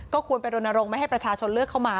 ควรไปรณรงค์ไม่ให้ประชาชนเลือกเข้ามา